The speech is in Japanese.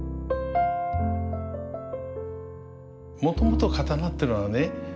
もともと刀ってのはね